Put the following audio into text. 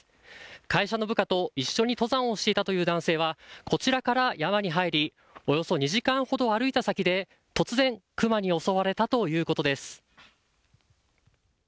会社の部下と一緒に登山をしていたという男性は、こちらから山に入り、およそ２時間ほど歩いた先で突然、クマに襲われたということです。